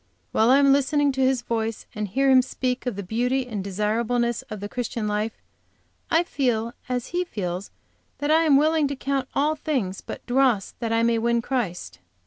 while I am listening to his voice and hear him speak of the beauty and desirableness of the Christian life, I feel as he feels, that I am waiting to count all things but dross that I may win Christ.